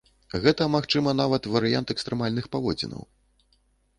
Гэта, магчыма, нават варыянт экстрэмальных паводзінаў.